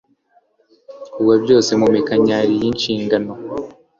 Kugwa byose muminkanyari yinshingano